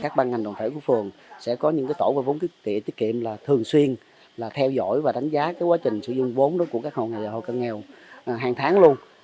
các ban hành đồng thể của phường sẽ có những tổ vô vốn tiết kiệm là thường xuyên là theo dõi và đánh giá cái quá trình sử dụng vốn đó của các hộ nghèo hàng tháng luôn